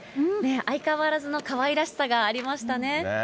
相変わらずのかわいらしさがありましたね。